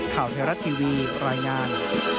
ข่าวแทรศ์ทีวีรายงาน